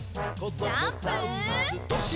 ジャンプ！